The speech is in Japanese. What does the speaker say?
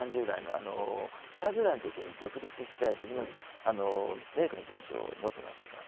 ３０代の時に独立して自分のメイクの事務所を持っていましたから。